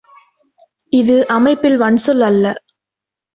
இது அமைப்பில் வன்சொல் அல்ல.